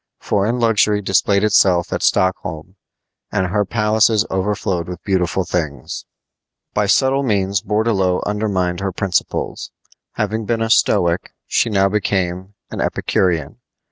Foreign luxury displayed itself at Stockholm, and her palaces overflowed with beautiful things. By subtle means Bourdelot undermined her principles. Having been a Stoic, she now became an Epicurean.